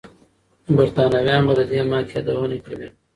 برتانويان به د دې ماتې یادونه کوي.